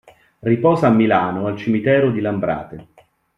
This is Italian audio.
Riposa a Milano, al Cimitero di Lambrate.